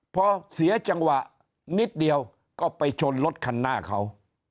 พอเสียจังหวะนิดเดียวก็ไปชนรถคันหน้าเขา